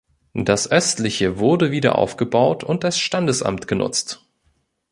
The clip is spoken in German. Das östliche wurde wieder aufgebaut und als Standesamt genutzt.